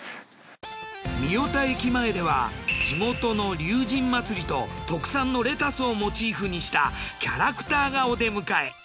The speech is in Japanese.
御代田駅前では地元の龍神まつりと特産のレタスをモチーフにしたキャラクターがお出迎え。